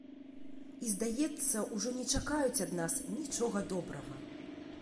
І, здаецца, ужо не чакаюць ад нас нічога добрага.